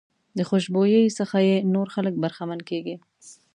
د خوشبويۍ څخه یې نور خلک برخمن کېږي.